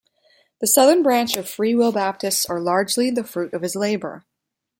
The southern branch of Free Will Baptists are largely the fruit of his labor.